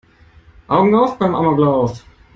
Augen auf beim Amoklauf!